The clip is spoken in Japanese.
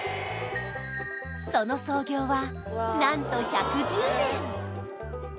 その創業はなんと１１０年！